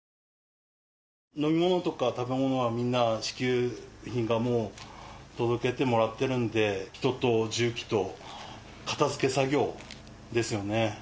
飲み物とか食べ物はみんな支給品がもう届けてもらってるんで、人と重機と片づけ作業ですよね。